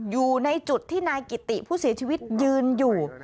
อยู่ในจุดที่นายกิติผู้เสียชีวิตยืนอยู่